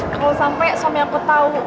kalau sampai suami aku tahu